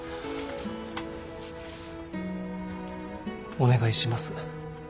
お願いします。